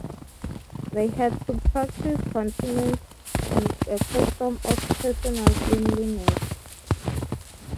They had to practice continence and a custom of personal cleanliness.